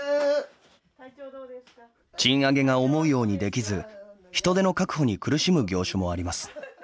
賃上げが思うようにできず人手の確保に苦しむ業種もあります。